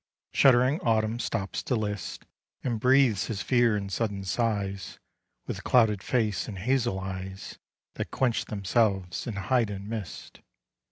Shuddering Autumn stops to list, And breathes his fear in sudden sighs, With clouded face, and hazel eyes That quench themselves, and hide in mist.